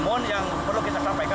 namun yang perlu kita sampaikan